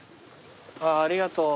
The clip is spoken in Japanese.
ありがとう。